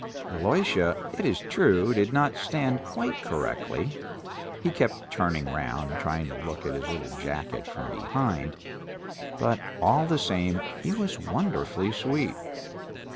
Aliosha, it is true, did not stand quite correctly; he kept turning round, trying to look at his little jacket from behind; but all the same he was wonderfully sweet.